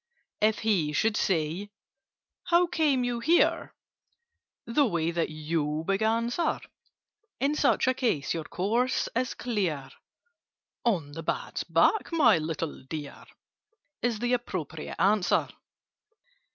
[Picture: Ghostly border] "If he should say 'How came you here?' (The way that you began, Sir,) In such a case your course is clear— 'On the bat's back, my little dear!' Is the appropriate answer.